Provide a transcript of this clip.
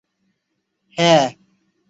হ্যাঁ।